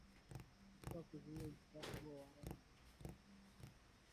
Ili kuzuia ushindani huo Wareno waliruhusu kwa nadra tu wamisionari kutoka nchi nyingine